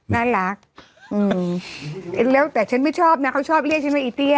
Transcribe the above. น่ารักอืมแล้วแต่ฉันไม่ชอบนะเขาชอบเรียกใช่ไหมอีเตี้ย